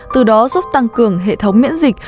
từ đó giúp tăng cường hệ thống miễn dịch